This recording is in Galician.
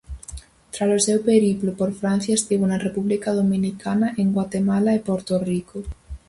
Tralo seu periplo por Francia estivo na República Dominicana, en Guatemala e Porto Rico.